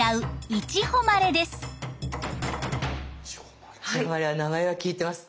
いちほまれは名前は聞いてます。